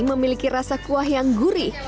memiliki rasa kuah yang gurih